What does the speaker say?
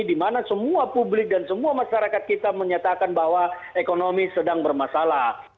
di mana semua publik dan semua masyarakat kita menyatakan bahwa ekonomi sedang bermasalah